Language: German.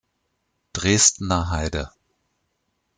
Dresdener Heide